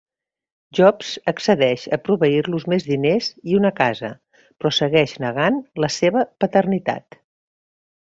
Jobs accedeix a proveir-los més diners i una casa, però segueix negant la seva paternitat.